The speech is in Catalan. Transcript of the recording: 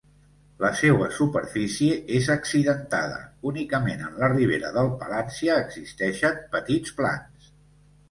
La seua superfície és accidentada; únicament en la ribera del Palància existeixen petits plans.